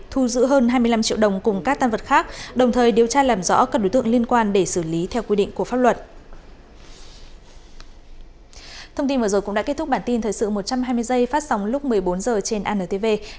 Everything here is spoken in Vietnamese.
thu giữ hơn hai mươi năm triệu đồng cùng các tăng vật khác đồng thời điều tra làm rõ các đối tượng liên quan để xử lý theo quy định của pháp luật